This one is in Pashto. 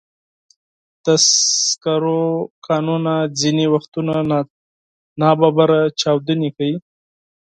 د سکرو کانونه ځینې وختونه ناڅاپي چاودنې کوي.